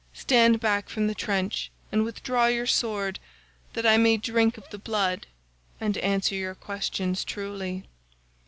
Stand back from the trench and withdraw your sword that I may drink of the blood and answer your questions truly.